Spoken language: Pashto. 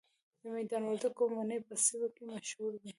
د میدان وردګو مڼې په سیمه کې مشهورې دي.